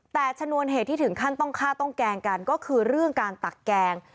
แต่ชนวนเหตุที่ถึงขั้นต้องฆ่าต้องแกล้งกันก็คือเรื่องการตักแกง